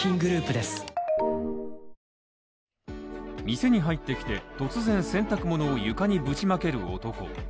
店に入ってきて、突然洗濯物を床にぶちまける男。